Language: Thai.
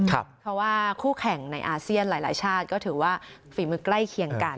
เพราะว่าคู่แข่งในอาเซียนหลายชาติก็ถือว่าฝีมือใกล้เคียงกัน